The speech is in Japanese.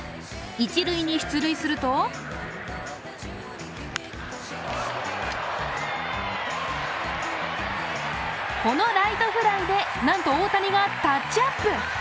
一塁に出塁するとこのライトフライでなんと大谷がタッチアップ。